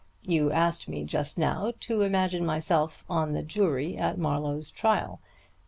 You asked me just now to imagine myself on the jury at Marlowe's trial.